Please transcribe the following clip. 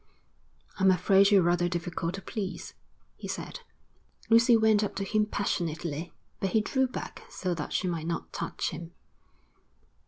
'I'm afraid you're rather difficult to please,' he said. Lucy went up to him passionately, but he drew back so that she might not touch him.